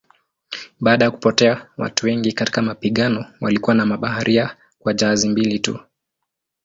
Baada ya kupotea watu wengi katika mapigano walikuwa na mabaharia kwa jahazi mbili tu.